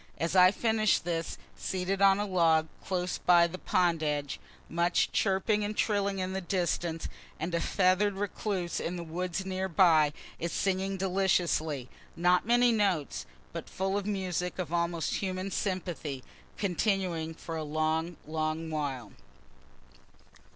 As I finish this, seated on a log close by the pond edge, much chirping and trilling in the distance, and a feather'd recluse in the woods near by is singing deliciously not many notes, but full of music of almost human sympathy continuing for a long, long while.